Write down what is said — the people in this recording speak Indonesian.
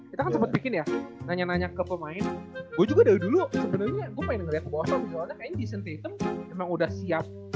kita kan sempet bikin ya nanya nanya ke pemain gue juga dari dulu sebenernya gue pengen liat ke bawah soalnya kayaknya jason tatum emang udah siap